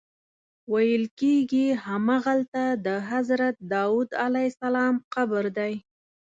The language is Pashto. ویل کېږي همغلته د حضرت داود علیه السلام قبر دی.